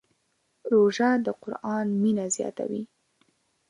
روژه د قرآن مینه زیاتوي.